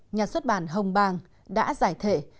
nhà xuất bản hồng bàng đã giải thể